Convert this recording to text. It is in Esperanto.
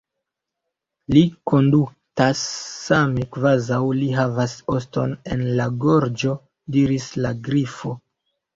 "Li kondutas same kvazaŭ li havas oston en la gorĝo," diris la Grifo.